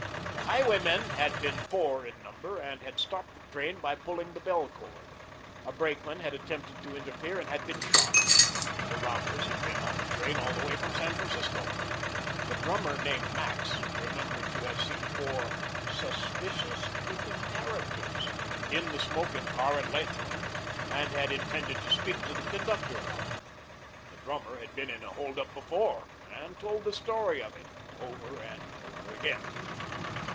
The highwaymen had been four in number and had stopped the train by pulling the bell cord. A brakeman had attempted to interfere and had been shot. The robbers had been on the train all the way from San Francisco. The drummer named Max remembered to have seen four "suspicious looking characters" in the smoking car at Lathrop, and had intended to speak to the conductor about them. This drummer had been in a hold up before, and told the story of it over and over again.